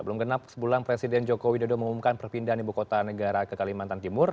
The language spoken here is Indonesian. belum genap sebulan presiden joko widodo mengumumkan perpindahan ibu kota negara ke kalimantan timur